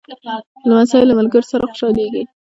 لمسی له ملګرو سره خوشحالېږي.